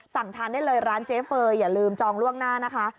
สั่งทานได้เลยร้านเจ๊เฟย์อย่าลืมจองล่วงหน้านะคะ